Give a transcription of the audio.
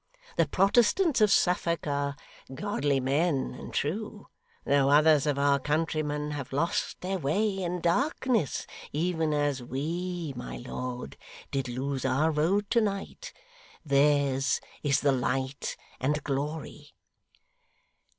The Protestants of Suffolk are godly men and true. Though others of our countrymen have lost their way in darkness, even as we, my lord, did lose our road to night, theirs is the light and glory.